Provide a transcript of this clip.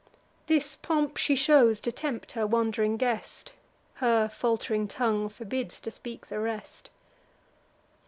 This pomp she shows, to tempt her wand'ring guest; Her falt'ring tongue forbids to speak the rest.